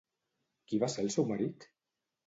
Qui va ser el seu marit?